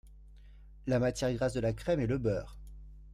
La matière grasse de la crème est le beurre.